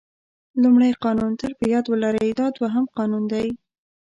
لومړی قانون تل په یاد ولرئ دا دوهم قانون دی.